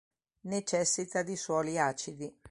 Necessita di suoli acidi.